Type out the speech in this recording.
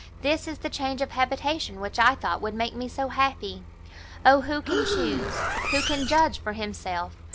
This is the change of habitation which I thought would make me so happy! oh who can chuse, who can judge for himself?